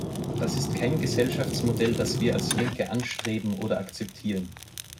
Das ist kein Gesellschaftsmodell, das wir als Linke anstreben oder akzeptieren.